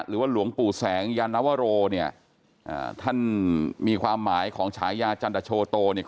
หลวงปู่แสงยานวโรเนี่ยท่านมีความหมายของฉายาจันทโชโตเนี่ย